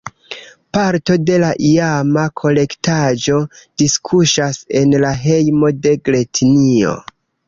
Parto de la iama kolektaĵo diskuŝas en la hejmo de Gretinjo.